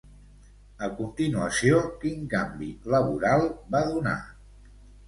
A continuació, quin canvi laboral va donar?